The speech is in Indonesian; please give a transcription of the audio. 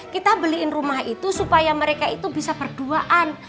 kita beliin rumah itu supaya mereka itu bisa berduaan